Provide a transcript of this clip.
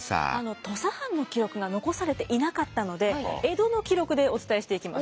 土佐藩の記録が残されていなかったので江戸の記録でお伝えしていきます。